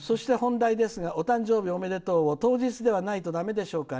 そして本題ですがお誕生日おめでとうは当日ではないとだめでしょうか。